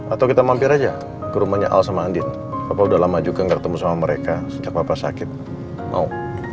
atau kita mampir aja ke rumahnya al sama andin bapak udah lama juga nggak ketemu sama mereka sejak papa sakit mau